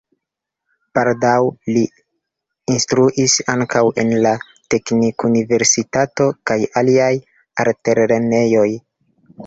Baldaŭ li instruis ankaŭ en la Teknikuniversitato kaj aliaj altlernejoj.